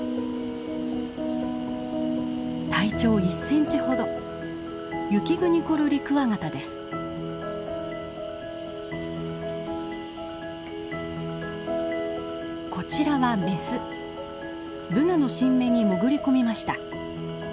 体長１センチほどブナの新芽に潜り込みました。